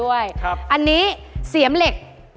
อุปกรณ์ทำสวนชนิดใดราคาถูกที่สุด